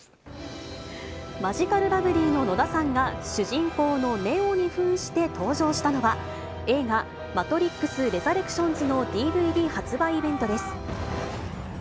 マヂカルラブリーの野田さんが主人公のネオにふんして登場したのは、映画、マトリックスレザレクションズのＤＶＤ発売イベントです。